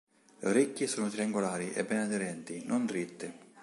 Le orecchie sono triangolari e ben aderenti, non dritte.